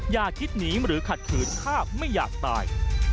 อย่าคิดหนีหรือขัดขืนถ้าไม่อยากตาย